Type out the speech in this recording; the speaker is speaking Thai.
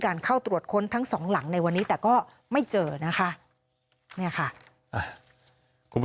การเข้าตรวจค้นทั้ง๒หลังในวันนี้แต่ก็ไม่เจอนะคะคุณผู้